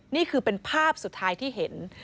นี่คือเป็นภาพสุดท้ายที่เห็น